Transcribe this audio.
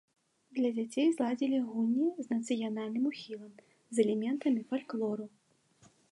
Для дзяцей зладзілі гульні з нацыянальным ухілам, з элементамі фальклору.